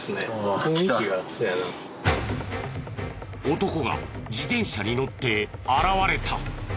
男が自転車に乗って現れた。